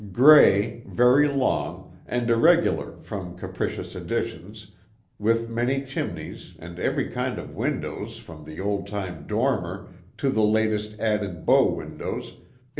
Gray, very long, and irregular from capricious additions, with many chimneys and every kind of windows from trie old time 78 PLAY AND WORK. "dormer" to the latest added bow windows, it.